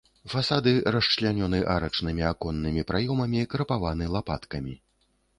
Фасады расчлянёны арачнымі аконнымі праёмамі, крапаваны лапаткамі.